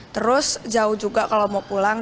terus jauh juga kalau mau pulang